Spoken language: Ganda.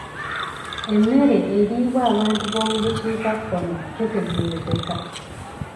Emmere eriibwa abantu b'omu bukiikakkono tetegeerekeka.